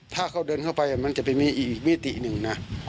ถ้าเขาเดินเข้าไปมันจะไปมีอีกมิติหนึ่งนะ